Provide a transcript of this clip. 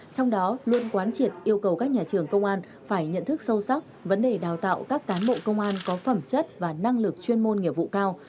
trong đó luôn quán triệt yêu cầu các nhà trường công an phải nhận thức sâu sắc vấn đề đào tạo các cán bộ công an có phẩm chất và năng lực chuyên môn nghiệp vụ cao